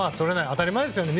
当たり前ですよね。